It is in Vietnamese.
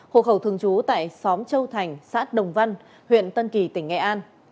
hồ khẩu thường chú tại xóm châu thành xã đồng văn huyện tân kỳ tỉnh nghệ an